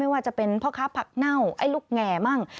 ว่าจะเป็นพ่อค้าผักเน่าไอ้ลูกแง่มั่ง